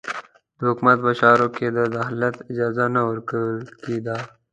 د حکومت په چارو کې د دخالت اجازه نه ورکول کېده.